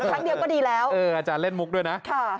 ครั้งเดียวก็ดีแล้วอาจารย์เล่นมุกด้วยนะ